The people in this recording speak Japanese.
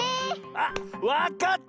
あっわかった！